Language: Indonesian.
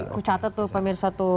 aku catat tuh pak mirsa tuh